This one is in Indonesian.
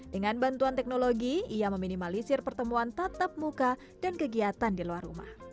dengan bantuan teknologi ia meminimalisir pertemuan tatap muka dan kegiatan di luar rumah